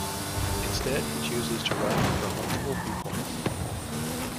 Instead, he chooses to write from multiple viewpoints.